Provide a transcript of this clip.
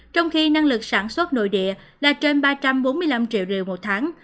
trong khi năng lực sản xuất nội địa là trên ba trăm bốn mươi năm triệu riều một tháng